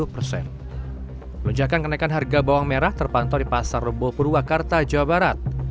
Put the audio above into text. pelunjakan kenaikan harga bawang merah terpantau di pasar roboh purwakarta jawa barat